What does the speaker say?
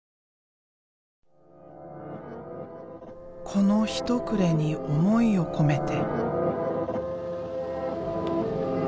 この一塊に想いを込めて。